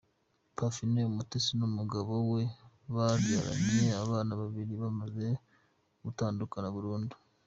Parfine Umutesi n'umugabo we babyaranye abana babiri, bamaze gutandukana burundu.